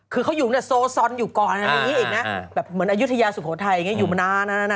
คือเขาอยู่เนี่ยโซซอนอยู่ก่อนอะไรอย่างนี้อีกนะแบบเหมือนอายุทยาสุโขทัยอย่างนี้อยู่มานาน